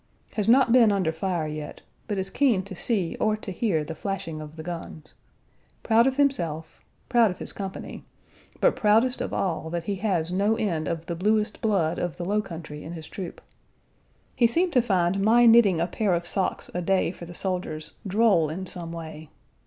Has not been under fire yet, but is keen to see or to hear the flashing of the guns; proud of himself, proud of his company, but proudest of all that he has no end of the bluest blood of the low country in his troop. He seemed to find my knitting a pair of socks a day for the soldiers droll in some way.